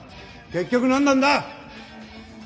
結局何なんだ？